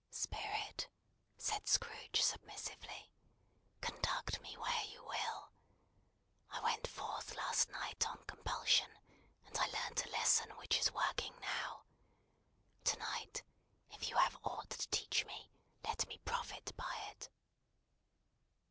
"Spirit," said Scrooge submissively, "conduct me where you will. I went forth last night on compulsion, and I learnt a lesson which is working now. To night, if you have aught to teach me, let me profit by it."